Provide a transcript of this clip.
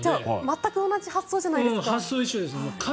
全く同じ発想じゃないですか。